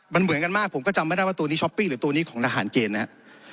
มันเหมือนกันมากผมก็จำไม่ได้ว่าตัวนี้ช้อปปิ้งหรือตัวนี้ของทหารเกณฑ์นะครับ